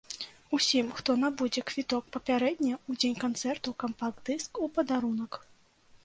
Усім, хто набудзе квіток папярэдне, у дзень канцэрту кампакт-дыск у падарунак!